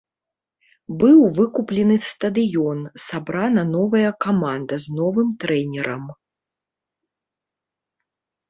Быў выкуплены стадыён, сабрана новая каманда з новым трэнерам.